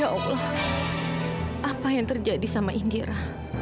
ya allah apa yang terjadi sama ingira